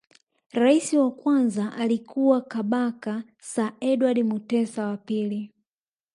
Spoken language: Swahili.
Rais wa kwanza alikuwa Kabaka Sir Edward Mutesa wa pili